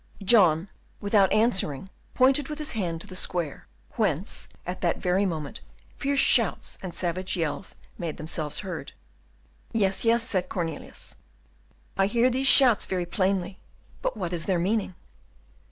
John, without answering, pointed with his hand to the square, whence, at that very moment, fierce shouts and savage yells made themselves heard. "Yes, yes," said Cornelius, "I hear these shouts very plainly, but what is their meaning?"